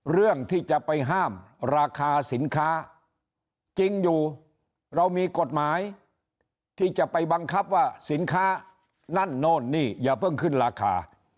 เรื่องที่จะไปห้ามราคาสินค้าจริงอยู่เรามีกฎหมายที่จะไปบังคับว่าสินค้านั่นโน่นนี่อย่าเพิ่งขึ้นราคา